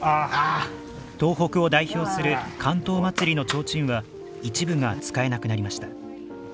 東北を代表する竿燈まつりのちょうちんは一部が使えなくなりました。